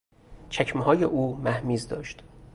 چکمههای او مهمیز داشت.